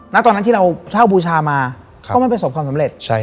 ณตอนนั้นที่เราเช่าบูชามาก็ไม่ประสบความสำเร็จ